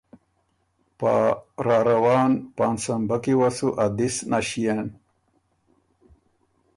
پا راروان پاںسمبۀ کی وه سُو ا دِس نݭيېن۔